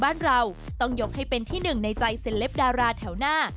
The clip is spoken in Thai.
บ้านเราต้องยกให้เป็นที่หนึ่งในใจเซลปดาราแถวหน้า